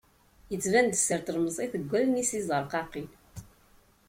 Yettban-d sser n tlemẓit deg wallen-is tizerqaqin.